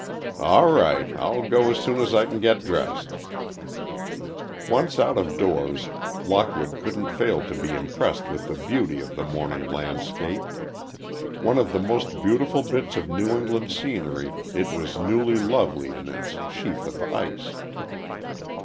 "All right, I'll go as soon as I can get dressed." Once out of doors, Lockwood couldn't fail to be impressed with the beauty of the morning landscape. One of the most beautiful bits of New England scenery, it was newly lovely in its sheath of ice.